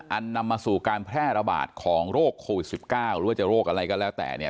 นำมาสู่การแพร่ระบาดของโรคโควิด๑๙หรือว่าจะโรคอะไรก็แล้วแต่